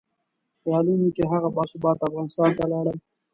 خیالونو کې هغه باثباته افغانستان ته لاړم.